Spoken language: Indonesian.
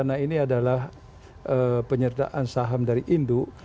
karena ini adalah penyertaan saham dari induk